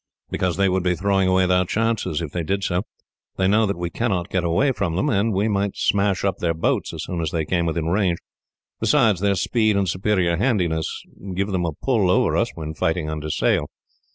"Because they would be throwing away their chances, if they did so. They know that we cannot get away from them, and we might smash up their boats as soon as they came within range. Besides, their speed and superior handiness give them a pull over us, when fighting under sail.